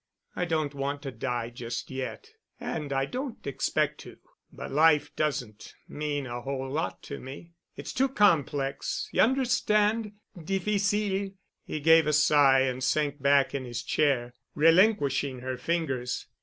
"I don't want to die just yet, and I don't expect to, but life doesn't mean a whole lot to me. It's too complex, you understand?—difficile——" He gave a sigh and sank back in his chair, relinquishing her fingers.